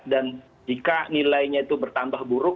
dan jika nilainya itu bertambah buruk